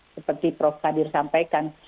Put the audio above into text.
seperti prof kadir sampaikan